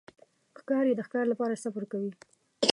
ښکاري د ښکار لپاره صبر کوي.